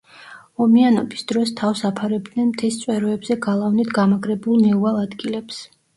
ომიანობის დროს თავს აფარებდნენ მთის წვეროებზე გალავნით გამაგრებულ მიუვალ ადგილებს.